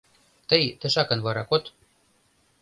Тый тышакын вара код